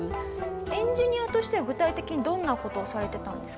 エンジニアとしては具体的にどんな事をされてたんですか？